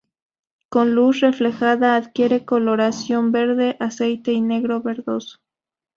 Con luz reflejada adquiere coloración verde aceite o negro verdoso.